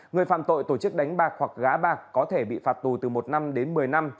người phạm tội tổ chức đánh bạc hoặc gá bạc có thể bị phạt tù từ một năm đến một mươi năm